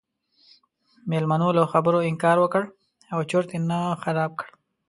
میلمنو له خبرو انکار وکړ او چرت یې نه خراب کړ.